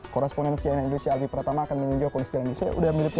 korrespondensi nnbc alvi pratama akan menunjukkan saya sudah mirip alvi